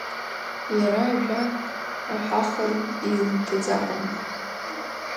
Иара ажәак аҳәаха илмҭаӡакәан…